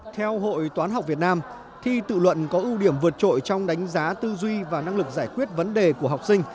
theo hội toán học việt nam thi tự luận có ưu điểm vượt trội trong đánh giá tư duy và năng lực giải quyết vấn đề của học sinh